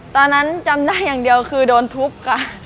จำได้อย่างเดียวคือโดนทุบค่ะ